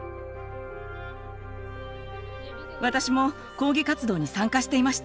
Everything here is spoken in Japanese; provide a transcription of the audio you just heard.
私も抗議活動に参加していました。